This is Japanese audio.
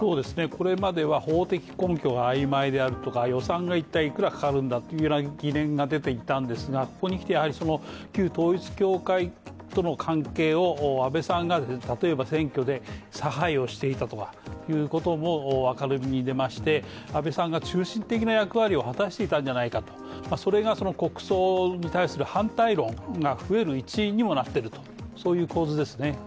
これまでは法的根拠が曖昧であるとか予算が一体いくらかかるんだという疑念が出ていたんですがここにきて、やはり旧統一教会との関係を安倍さんが、例えば選挙で差配をしていたとかということも明るみに出まして、安倍さんが中心的な役割を果たしていたんじゃないか、それが国葬に対する反対論が増える一因にもなっているというそういう構図ですね。